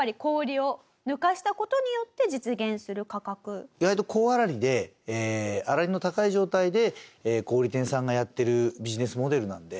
でもこの意外と高粗利で粗利の高い状態で小売店さんがやってるビジネスモデルなので。